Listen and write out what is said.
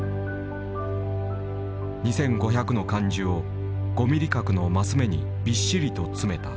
２，５００の漢字を５ミリ角の升目にびっしりと詰めた。